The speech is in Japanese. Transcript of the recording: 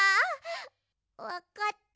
わかった？